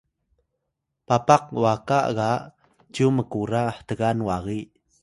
Papakwaka ga cyu mkura htgan wagi